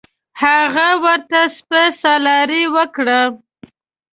هغه ورته سپه سالاري ورکړه.